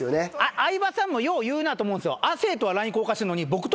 相葉さんもよう言うなと思うんですよ。